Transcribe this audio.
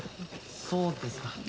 そうですか。